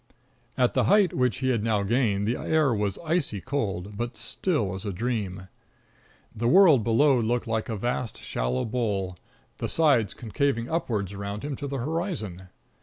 At the height which he had now gained the air was icy cold, but still as a dream. The world below looked like a vast, shallow bowl, the sides concaving upwards around him to the horizon.